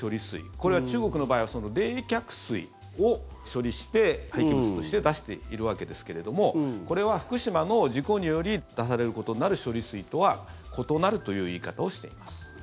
これは中国の場合は冷却水を処理して廃棄物として出しているわけですけれどもこれは福島の事故により出されることになる処理水とは異なるという言い方をしています。